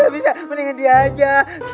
bisa mending dia aja